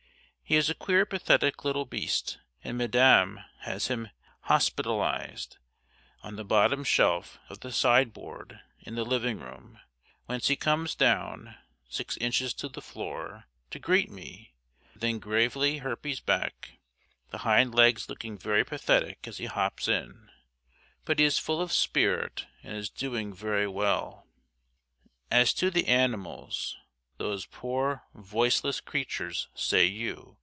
He is a queer pathetic little beast and Madame has him "hospitalized" on the bottom shelf of the sideboard in the living room, whence he comes down (six inches to the floor) to greet me, and then gravely hirples back, the hind legs looking very pathetic as he hops in. But he is full of spirit and is doing very well. As to the animals "those poor voiceless creatures," say you.